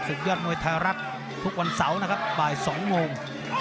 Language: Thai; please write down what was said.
ยอดมวยไทยรัฐทุกวันเสาร์นะครับบ่าย๒โมง